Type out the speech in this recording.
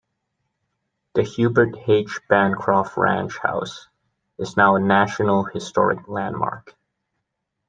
The Hubert H. Bancroft Ranch House is now a National Historic Landmark.